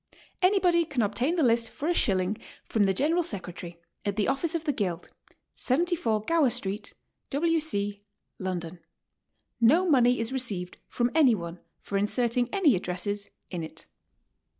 Anybody can obtain fhe list for a shilling from the General Secretary, at the office of the Guild, 74 Gower St., W. C., London. No money is received from any one for inserting any addresses in it.